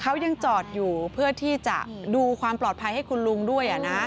เขายังจอดอยู่เพื่อที่จะดูความปลอดภัยให้คุณลุงด้วยนะ